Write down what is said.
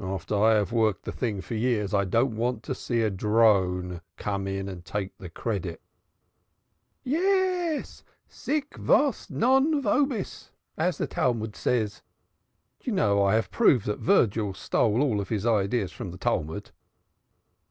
After I have worked the thing for years, I don't want to see a drone come in and take the credit." "Yes, sic vos non vobis, as the Talmud says. Do you know I haf proved that Virgil stole all his ideas from the Talmud?"